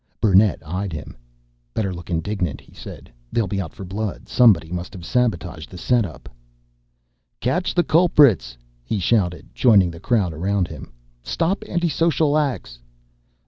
Burnett eyed him. "Better look indignant," he said. "They'll be out for blood. Somebody must have sabotaged the setup." "Catch the culprits!" he shouted, joining the crowd around him. "Stop anti social acts!"